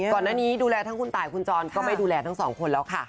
ก่อนหน้านี้ดูแลทั้งคุณตายคุณจรก็ไม่ดูแลทั้งสองคนแล้วค่ะ